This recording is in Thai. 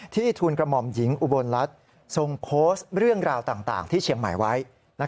ทูลกระหม่อมหญิงอุบลรัฐทรงโพสต์เรื่องราวต่างที่เชียงใหม่ไว้